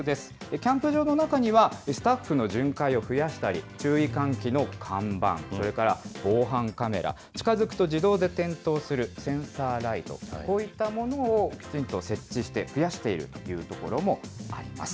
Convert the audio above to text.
キャンプ場の中には、スタッフの巡回を増やしたり、注意喚起の看板、それから防犯カメラ、近づくと自動で点灯するセンサーライト、こういったものをきちんと設置して、増やしているという所もあります。